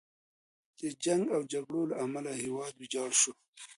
د جنګ او جګړو له امله هیواد ویجاړ شو.